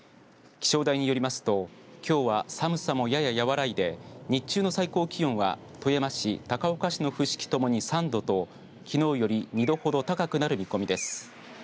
気象台によりますときょうは寒さもやや和らいで日中の最高気温は富山市、高岡市の伏木ともに３度と、きのうより２度ほど高くなる見込みです。